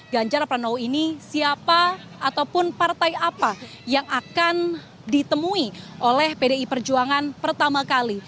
ganjar pranowo ini siapa ataupun partai apa yang akan ditemui oleh pdi perjuangan pertama kali